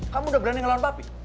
kamu udah berani ngelawan papi